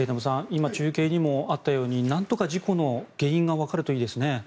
今、中継にもあったようになんとか事故の原因がわかるといいですね。